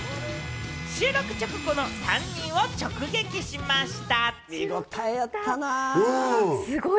収録直後の３人を直撃しました。